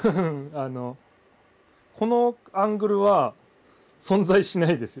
あのこのアングルは存在しないです。